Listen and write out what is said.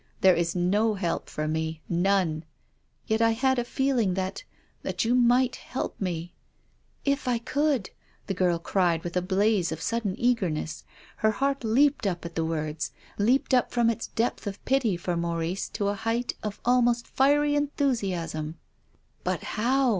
There is no help for me, none. Yet I had a feeling that — that you might help me." " If I could !" the girl cried with a blaze of sudden eagerness. Her heart leaped up at the words, leaped up from its depth of pity for Mau rice to a height of almost fiery enthusiasm. " But how